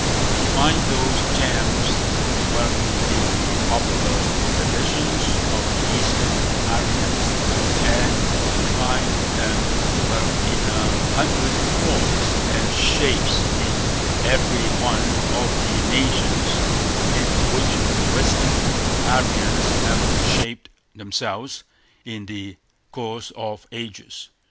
We find those germs developed in the popular traditions of the Eastern Aryans, and we find them developed in a hundred forms and shapes in every one of the nations into which the Western Aryans have shaped themselves in the course of ages.